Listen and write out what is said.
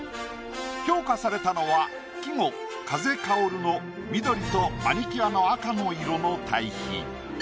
評価されたのは季語「風薫る」の緑と「マニキュア」の赤の色の対比。